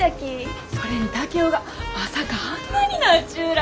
それに竹雄がまさかあんなになっちゅうら。